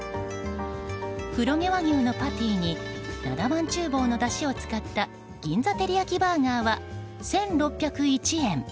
黒毛和牛のパティになだ万厨房のだしを使った銀座テリヤキバーガーは１６０１円。